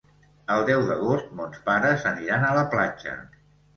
El deu d'agost mons pares aniran a la platja.